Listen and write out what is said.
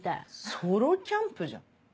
ソロキャンプじゃん。